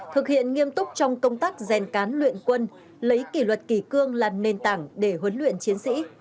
thực hiện nghiêm túc trong công tác rèn cán luyện quân lấy kỷ luật kỳ cương là nền tảng để huấn luyện chiến sĩ